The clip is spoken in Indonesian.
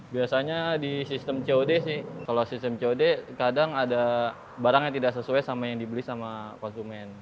biasanya di sistem cod sih kalau sistem cod kadang ada barang yang tidak sesuai sama yang dibeli sama konsumen